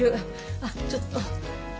あっちょっと。